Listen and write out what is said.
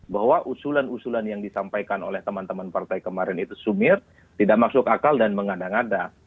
bahwa usulan usulan yang disampaikan oleh teman teman partai kemarin itu sumir tidak masuk akal dan mengada ngada